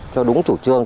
cho đúng chủ trương